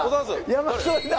山添だ！